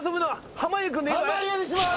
濱家にします。